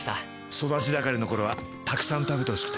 育ち盛りの頃はたくさん食べてほしくて。